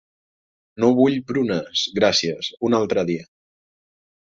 No vull prunes, gràcies, un altre dia.